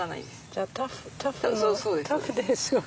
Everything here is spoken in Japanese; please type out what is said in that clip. じゃあタフタフですよ。